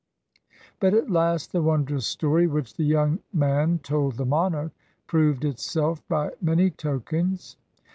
But at last the wondrous story. Which the young man told the monarch, Proved itself by many tokens.